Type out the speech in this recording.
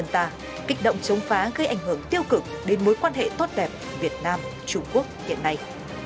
dân ta kích động chống phá gây ảnh hưởng tiêu cực đến mối quan hệ tốt đẹp việt nam trung quốc hiện nay